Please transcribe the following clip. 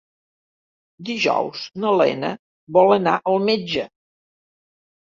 Dijous na Lena vol anar al metge.